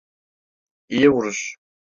İyi vuruş.